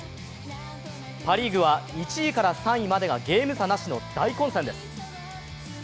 パ・リーグは１位から３位までがゲーム差なしの大混戦です。